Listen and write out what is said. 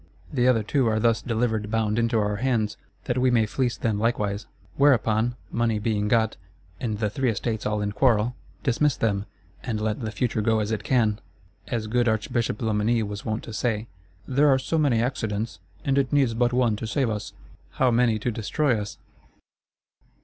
The other two are thus delivered bound into our hands, that we may fleece them likewise. Whereupon, money being got, and the Three Estates all in quarrel, dismiss them, and let the future go as it can! As good Archbishop Loménie was wont to say: 'There are so many accidents; and it needs but one to save us.'—How many to destroy us?